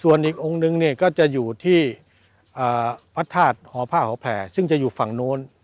ส่วนอีกองค์นึงเนี่ยก็จะอยู่ที่พระธาตุหอผ้าหอแผ่ซึ่งจะอยู่ฝั่งโน้น